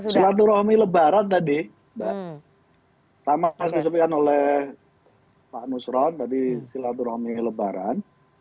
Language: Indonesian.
silaturahmi lebaran tadi sama seperti yang disebutkan oleh pak nusron tadi silaturahmi lebaran